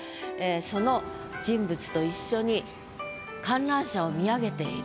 その人物と一緒に観覧車を見上げていると。